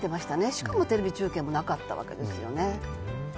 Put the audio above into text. しかもテレビ中継もなかったわけですよね。